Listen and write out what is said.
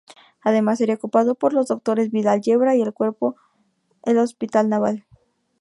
Además sería ocupado por los doctores Vidal Yebra y Cuervo el Hospital Naval.